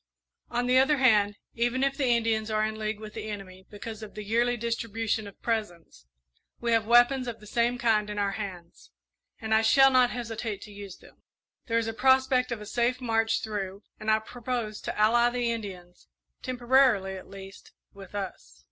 "On the other hand, even if the Indians are in league with the enemy because of the yearly distribution of presents, we have weapons of the same kind in our hands, and I shall not hesitate to use them. There is a prospect of a safe march through, and I propose to ally the Indians, temporarily at least, with us."